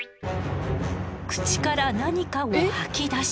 口から何かを吐き出し。